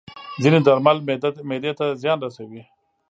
ځینې درمل معده ته زیان رسوي.